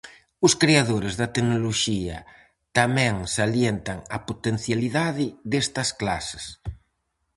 Os creadores da tecnoloxía tamén salientan a potencialidade destas clases.